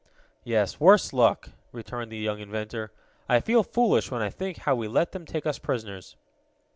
"Yes, worse luck," returned the young inventor. "I feel foolish when I think how we let them take us prisoners."